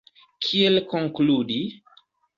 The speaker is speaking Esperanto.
Kiel konkludi?